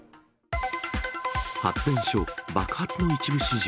発電所、爆発の一部始終。